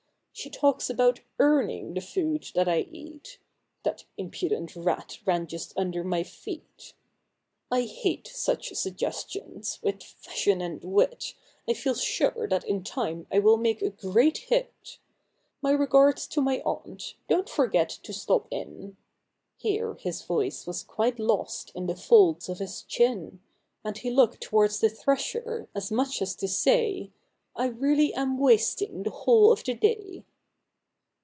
She talks about earning the food that I eat, (That impudent rat ran just under my feet,) I hate such suggestions ! with fashion and wit, I feel sure that in time I will make a great hit. My regards to my Aunt ; don't forget to stop in Here his voice was quite lost in the folds of his chin. And he looked towards the thresher, as much as to say,. " I really am wasting the whole of the day."